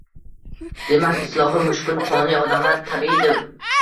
Demak islohi mushkul qonli odamlar tabiiydur